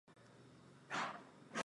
Chakula ni kitamu.